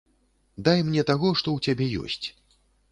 Дай мне таго, што ў цябе ёсць.